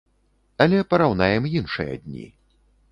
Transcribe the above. Але параўнаем іншыя дні.